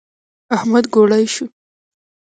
احمد ګوړۍ شو.